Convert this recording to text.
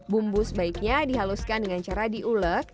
bumbu sebaiknya dihaluskan dengan cara diulek